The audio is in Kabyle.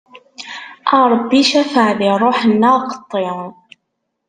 A Ṛebbi cafeɛ di ṛṛuḥ neɣ qeṭṭi!